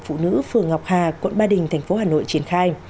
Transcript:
phụ nữ phường ngọc hà quận ba đình thành phố hà nội triển khai